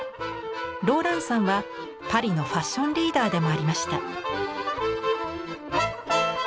ローランサンはパリのファッションリーダーでもありました。